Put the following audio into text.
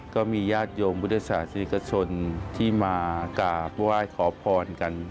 ก็มีญาติโยมพุทธศาสนิกชนที่มากราบไหว้ขอพรกัน